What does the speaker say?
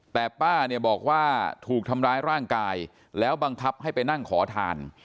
แต่ป้าเนี่ยบอกว่าถูกทำร้ายร่างกายแล้วบังคับให้ไปนั่งขอทาน